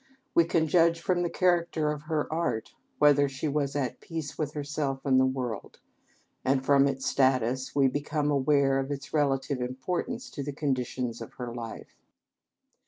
We can judge from the character of her art whether she was at peace with herself and the world, and from its status we become aware of its relative importance to the conditions of her life.